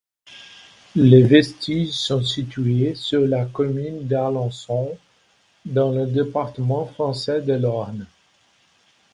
Les vestiges sont situés sur la commune d'Alençon, dans le département français de l'Orne.